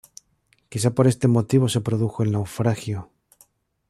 Quizá por este motivo se produjo el naufragio.